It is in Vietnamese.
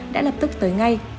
đã lập tức tới ngay